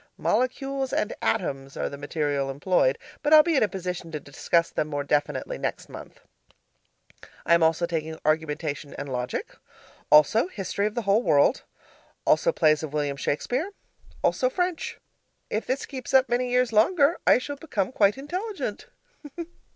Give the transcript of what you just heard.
Molecules and Atoms are the material employed, but I'll be in a position to discuss them more definitely next month. I am also taking argumentation and logic. Also history of the whole world. Also plays of William Shakespeare. Also French. If this keeps up many years longer, I shall become quite intelligent.